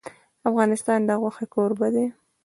افغانستان د غوښې کوربه دی.